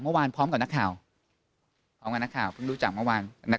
พร้อมกับนักข่าวพร้อมกับนักข่าวเพิ่งรู้จักเมื่อวาน